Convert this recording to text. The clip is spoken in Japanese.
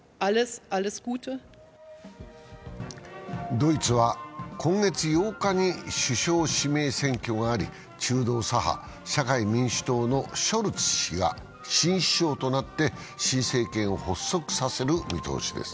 ドイツは今月８日に首相指名選挙があり、中道左派、社会民主党のショルツ氏が新首相となって新政権を発足させる見通しです。